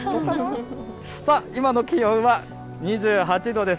さあ、今の気温は２８度です。